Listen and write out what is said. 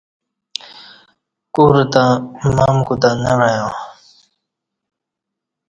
کور تں مم کوتں نہ وعیاں